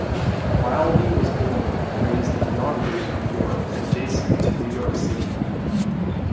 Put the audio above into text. Wildey was born and raised in Yonkers, New York, adjacent to New York City.